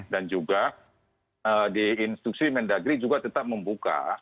dan juga di instruksi mendagri juga tetap membuka